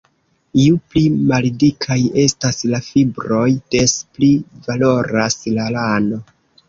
Ju pli maldikaj estas la fibroj, des pli valoras la lano.